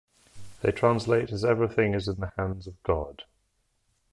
They translate as Everything is in the hands of God.